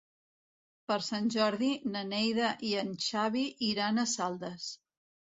Per Sant Jordi na Neida i en Xavi iran a Saldes.